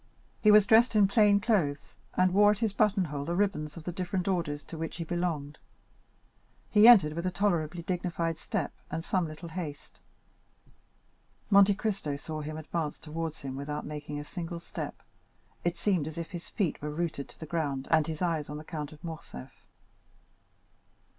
He was dressed in plain clothes, and wore at his button hole the ribbons of the different orders to which he belonged. He entered with a tolerably dignified step, and some little haste. Monte Cristo saw him advance towards him without making a single step. It seemed as if his feet were rooted to the ground, and his eyes on the Count of Morcerf.